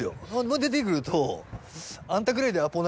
出てくると。